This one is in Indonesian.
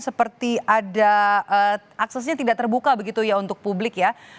seperti ada aksesnya tidak terbuka begitu ya untuk publik ya